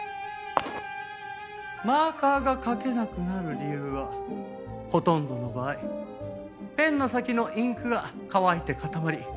マーカーが書けなくなる理由はほとんどの場合ペンの先のインクが乾いて固まり詰まってしまうからです。